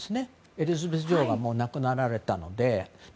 エリザベス女王が亡くなられたので。